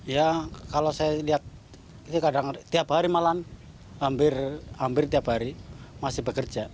ya kalau saya lihat itu kadang tiap hari malah hampir tiap hari masih bekerja